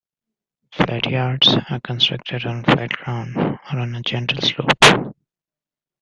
Flat yards are constructed on flat ground, or on a gentle slope.